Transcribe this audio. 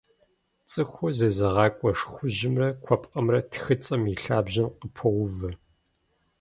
Цӏыхур зезыгъакӏуэ шхужьымрэ куэпкъымрэ тхыцӏэм и лъабжьэм къыпоувэ.